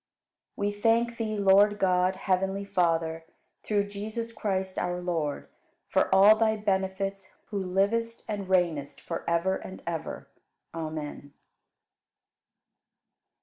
59. We thank Thee, Lord God, heavenly Father, through Jesus Christ, our Lord, for all Thy benefits, who livest and reignest forever and ever. Amen.